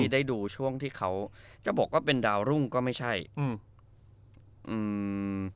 ได้ดูช่วงที่เขาจะบอกว่าเป็นดาวรุ่งก็ไม่ใช่อืมอืม